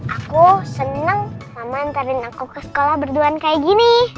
aku senang mama antarin aku ke sekolah berduaan kayak gini